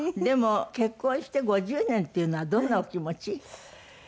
でも結婚して５０年っていうのはどんなお気持ち？